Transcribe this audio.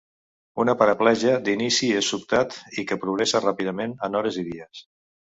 Una paraplegia d'inici és sobtat i que progressa ràpidament en hores i dies.